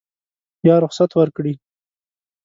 یا رخصت ورکړي.